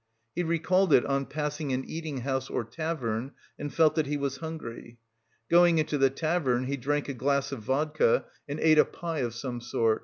He recalled it on passing an eating house or tavern, and felt that he was hungry.... Going into the tavern he drank a glass of vodka and ate a pie of some sort.